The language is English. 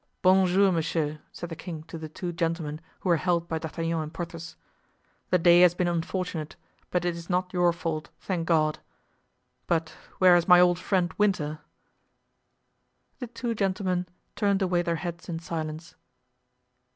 "Bon jour, messieurs!" said the king to the two gentlemen who were held by D'Artagnan and Porthos. "The day has been unfortunate, but it is not your fault, thank God! But where is my old friend Winter?" The two gentlemen turned away their heads in silence.